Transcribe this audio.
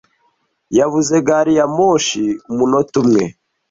Yabuze gari ya moshi umunota umwe.